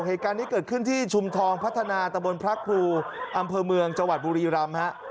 เหตุการณ์นี้เกิดขึ้นที่ชุมทองพัฒนาตะบนพระครูอำเภอเมืองจังหวัดบุรีรำฮะ